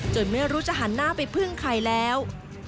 ไม่รู้จะหันหน้าไปพึ่งใครแล้ว